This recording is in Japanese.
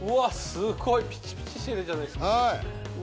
すごいピチピチしてるじゃないですか。